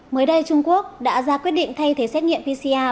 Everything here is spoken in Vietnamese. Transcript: mới đây trung quốc đã ra quyết định thay thế xét nghiệm pcr